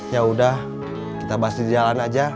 ya udah kita bahas di jalan aja